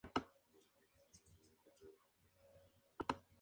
Por último hay que hablar de la disciplina.